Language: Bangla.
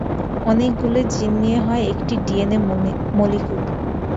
অনেকগুলি জীন নিয়ে হয় একটি ডিএনএ মলিকুল।